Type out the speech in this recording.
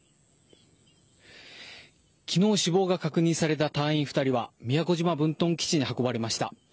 きのう死亡が確認された隊員２人は宮古島分屯基地に運ばれました。